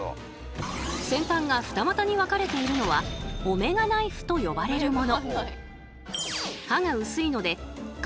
先端が二股に分かれているのは「オメガナイフ」と呼ばれるもの。